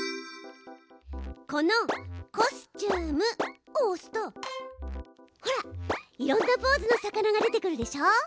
この「コスチューム」をおすとほらいろんなポーズの魚が出てくるでしょ。